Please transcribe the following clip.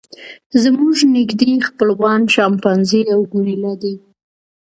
زموږ نږدې خپلوان شامپانزي او ګوریلا دي.